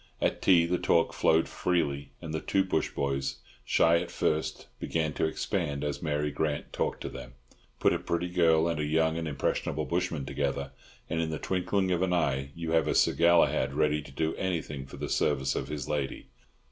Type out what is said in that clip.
At tea the talk flowed freely, and the two bush boys, shy at first, began to expand as Mary Grant talked to them. Put a pretty girl and a young and impressionable bushman together, and in the twinkling of an eye you have a Sir Galahad ready to do anything for the service of his lady.